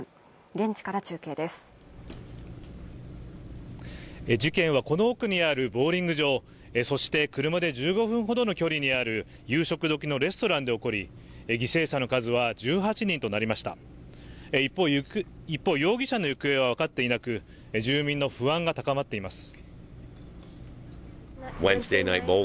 現地から中継です事件はこの奥にあるボウリング場そして車で１５分ほどの距離にある夕食時のレストランで起こり犠牲者の数は１８人となりました一方容疑者の行方は分かっていなくて住民の不安が高まっています